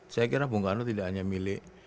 saya kira bung karno tidak hanya milik